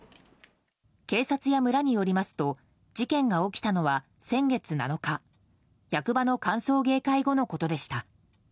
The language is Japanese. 警察や村によりますと事件が起きたのは先月７日役場の歓送迎会後のことでした。